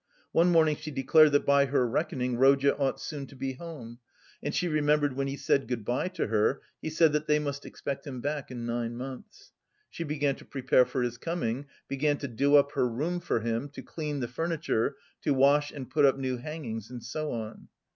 One morning she declared that by her reckoning Rodya ought soon to be home, that she remembered when he said good bye to her he said that they must expect him back in nine months. She began to prepare for his coming, began to do up her room for him, to clean the furniture, to wash and put up new hangings and so on.